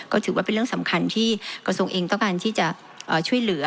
ก็ถือว่าเป็นเรื่องสำคัญที่กระทรวงเองต้องการที่จะช่วยเหลือ